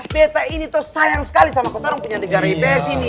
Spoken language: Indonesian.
beta ini tuh sayang sekali sama katorang punya negara ips ini